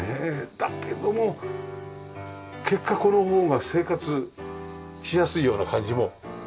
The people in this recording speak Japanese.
だけども結果この方が生活しやすいような感じもしますけどね。